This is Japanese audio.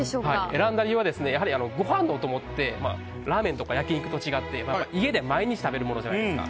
選んだ理由は、ご飯のお供ってラーメンとか焼き肉と違って家で毎日食べるものじゃないですか。